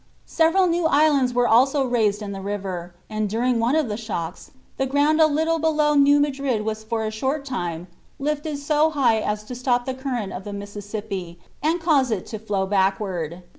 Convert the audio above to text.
Several new islands were also raised in the river, and during one of the shocks the ground a little below New Madrid was for a short time lifted so high as to stop the current of the Mississippi, and cause it to flow backward.